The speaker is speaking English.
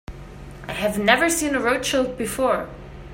I have never seen a Rothschild before.